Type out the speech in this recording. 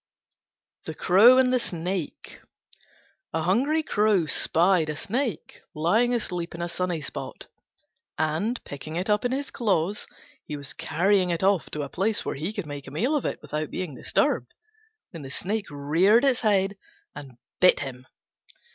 THE CROW AND THE SNAKE A hungry Crow spied a Snake lying asleep in a sunny spot, and, picking it up in his claws, he was carrying it off to a place where he could make a meal of it without being disturbed, when the Snake reared its head and bit him.